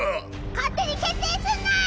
勝手に決定すんな！